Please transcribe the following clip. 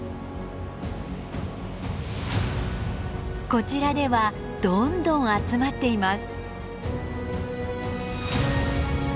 こちらではどんどん集まっています。